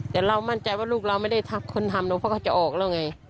แต่เรามั่นใจว่าลูกเราไม่ได้ทักคนทำหรอกเพราะเขาจะออกแล้วไง